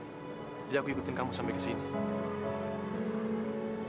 jadi aku ikutin kamu sampai ke sini